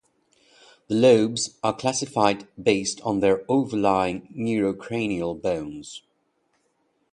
The lobes are classified based on their overlying neurocranial bones.